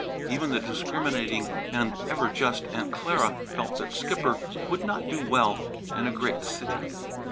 Even the discriminating and ever just Aunt Clara felt that Skipper would not do well in a great city.